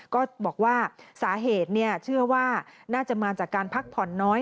ก็บอกว่าสาเหตุเชื่อว่าน่าจะมาจากการพักผ่อนน้อย